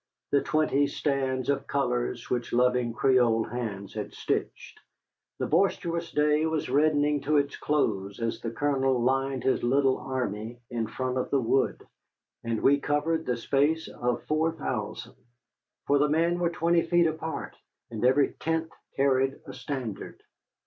the twenty stands of colors which loving Creole hands had stitched. The boisterous day was reddening to its close as the Colonel lined his little army in front of the wood, and we covered the space of four thousand. For the men were twenty feet apart and every tenth carried a standard.